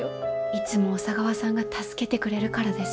いつも小佐川さんが助けてくれるからですよ。